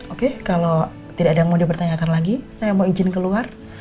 oke kalau tidak ada yang mau dipertanyakan lagi saya mau izin keluar